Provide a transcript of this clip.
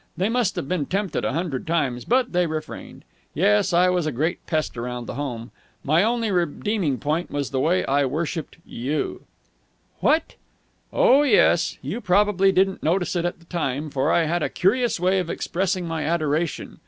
They must have been tempted a hundred times, but they refrained. Yes, I was a great pest around the home. My only redeeming point was the way I worshipped you!" "What!" "Oh, yes. You probably didn't notice it at the time, for I had a curious way of expressing my adoration.